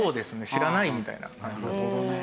「知らない」みたいな感覚。